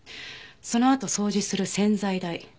そのあと掃除する洗剤代